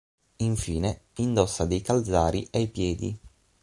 Infine, indossa dei calzari ai piedi.